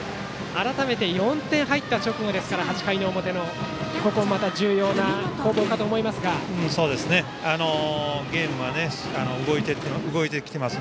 改めて４点入った直後ですから８回の表のここも重要な攻防かと思います。